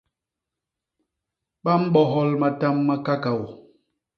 Ba mbohol matam ma kakaô.